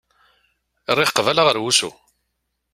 Rriɣ qbala ɣer wusu.